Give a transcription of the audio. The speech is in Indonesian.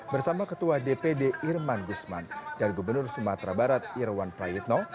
bersama ketua dpd irman gusman dan gubernur sumatera barat irwan prayitno